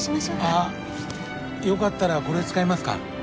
あっよかったらこれ使いますか？